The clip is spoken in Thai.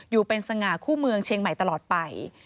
อยู่เป็นสง่าคู่เมืองเชียงใหม่ตลอดไป